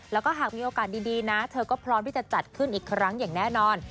แล้วก็หากมีโอกาสดีนะเธอก็พร้อมที่จะจัดขึ้นอีกครั้งอย่างแน่นอน